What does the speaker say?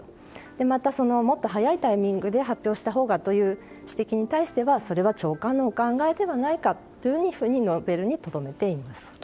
また、もっと早いタイミングで発表したほうがという指摘に対してはそれは長官のお考えではないかと述べるにとどめています。